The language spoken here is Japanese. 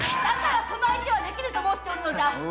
その相手はできぬと申しておるのじゃ！